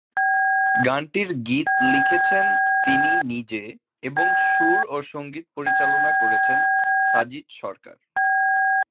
গানটির গীত লিখেছেন তিনি নিজে এবং সুর ও সংগীত পরিচালনা করেছেন সাজিদ সরকার।